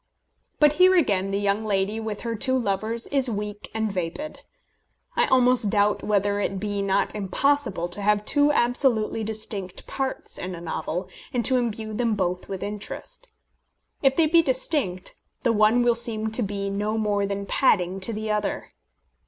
But here again the young lady with her two lovers is weak and vapid. I almost doubt whether it be not impossible to have two absolutely distinct parts in a novel, and to imbue them both with interest. If they be distinct, the one will seem to be no more than padding to the other.